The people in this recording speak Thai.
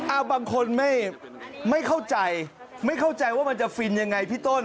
เอาบางคนไม่เข้าใจไม่เข้าใจว่ามันจะฟินยังไงพี่ต้น